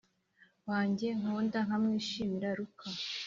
wanjye nkunda nkamwishimira Luka